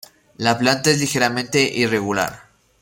La planta es ligeramente irregular.